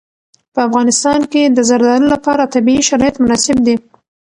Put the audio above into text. په افغانستان کې د زردالو لپاره طبیعي شرایط مناسب دي.